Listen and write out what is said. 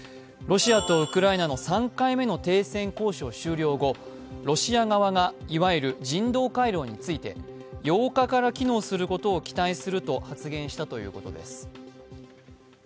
ロシアとウクライナの３回目の停戦交渉終了後、ロシア側が、いわゆる人道回廊について８日から機能することを期待すると発言したということです。